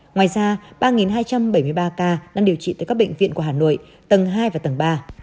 ngoài ra ba hai trăm bảy mươi ba ca đang điều trị tại các bệnh viện của hà nội tầng hai và tầng ba